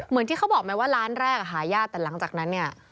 อย่างที่เขาบอกไหมว่าร้านแรกหายาดแต่หลังจากนั้น